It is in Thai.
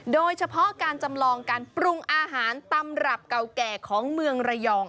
โดยเฉพาะการจำลองการปรุงอาหารตำรับเก่าแก่ของเมืองระยอง